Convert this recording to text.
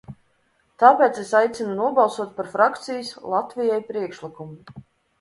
"Tāpēc es aicinu nobalsot par frakcijas "Latvijai" priekšlikumu."